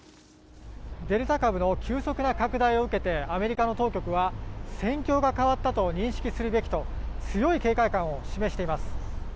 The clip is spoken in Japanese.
デルタ株の急速な拡大を受けてアメリカの当局は戦況が変わったと認識するべきと強い警戒感を示しています。